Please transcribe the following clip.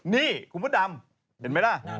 นี่คุณพระดำเห็นไหมล่ะ